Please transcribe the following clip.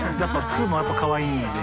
Ｑｏｏもやっぱりかわいいんで。